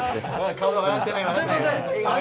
顔が笑ってない。